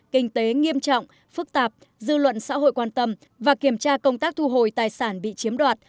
kinh tế nghiêm trọng phức tạp dư luận xã hội quan tâm và kiểm tra công tác thu hồi tài sản bị chiếm đoạt